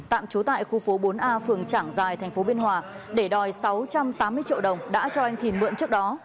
tạm trú tại khu phố bốn a phường trảng giài tp biên hòa để đòi sáu trăm tám mươi triệu đồng đã cho anh thìn mượn trước đó